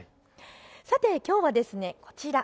さて、きょうはこちら。